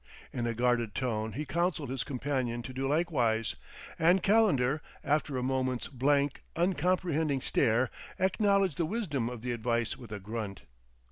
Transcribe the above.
In a guarded tone he counseled his companion to do likewise; and Calendar, after a moment's blank, uncomprehending stare, acknowledged the wisdom of the advice with a grunt.